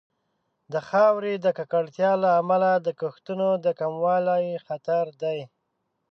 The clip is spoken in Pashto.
د خاورې د ککړتیا له امله د کښتونو د کموالي خطر دی.